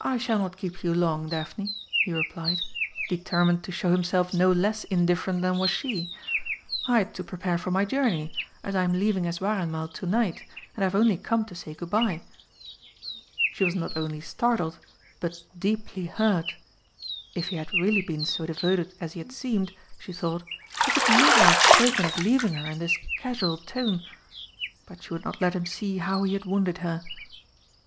"I shall not keep you long, Daphne," he replied, determined to show himself no less indifferent than was she. "I had to prepare for my journey, as I am leaving Eswareinmal to night, and I have only come to say good bye." She was not only startled but deeply hurt. If he had really been so devoted as he had seemed, she thought, he could never have spoken of leaving her in this casual tone but she would not let him see how he had wounded her.